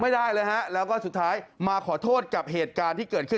ไม่ได้เลยฮะแล้วก็สุดท้ายมาขอโทษกับเหตุการณ์ที่เกิดขึ้น